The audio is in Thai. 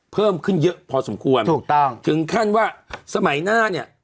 เพิ่มขึ้นเยอะพอสมควรถูกต้องถึงขั้นว่าสมัยหน้าเนี่ย